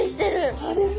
そうですね。